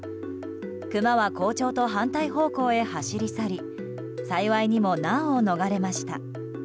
クマは校長と反対方向へ走り去り幸いにも難を逃れました。